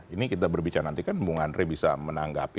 ini kita berbicara nanti kan bung andre bisa menanggapi